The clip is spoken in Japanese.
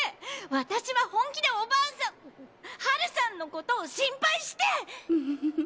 私は本気でお婆さんハルさんのことを心配して。